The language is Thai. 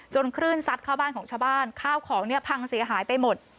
คลื่นซัดเข้าบ้านของชาวบ้านข้าวของเนี่ยพังเสียหายไปหมด